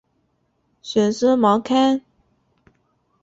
玄孙毛堪。